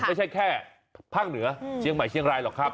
ไม่ใช่แค่ภาคเหนือเชียงใหม่เชียงรายหรอกครับ